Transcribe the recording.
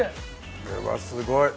これはすごい！